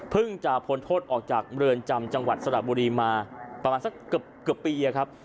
เพิ่งจะพ้นโทษออกจากเมืองจำจังหวัดสระบุรีมาประมาณสักเกือบเกือบปีอ่ะครับ